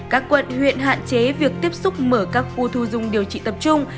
các quận huyện hạn chế việc tiếp xúc mở các khu thu dung điều trị tập trung